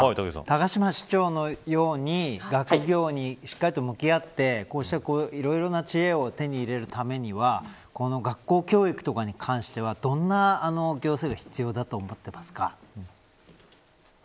高島市長のように、学業にしっかりと向き合っていろいろな知恵を手に入れるためには学校教育に関してはどんなことが必要だと思いますか。